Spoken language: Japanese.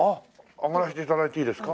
上がらせて頂いていいですか？